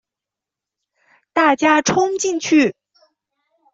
大家冲进去